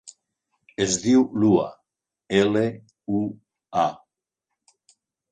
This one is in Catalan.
Es diu Lua: ela, u, a.